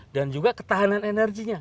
dan juga ketahanan energinya